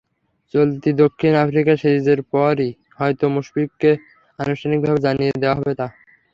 চলতি দক্ষিণ আফ্রিকা সিরিজের পরই হয়তো মুশফিককে আনুষ্ঠানিকভাবে জানিয়ে দেওয়া হবে তা।